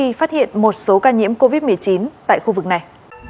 khi phát hiện một số ca nhiễm covid một mươi chín tại khu vực này